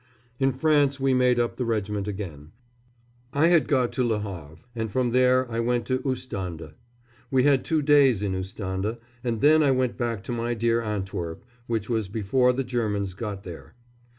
In France we made up the regiment again. I had got to Le Havre, and from there I went to Ostende. We had two days in Ostende, then I went back to my dear Antwerp, which was before the Germans got there.